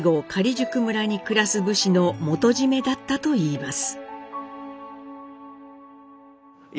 假宿村に暮らす武士の元締めだったといいます。